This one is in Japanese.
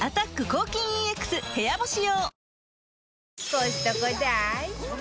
コストコ大好き！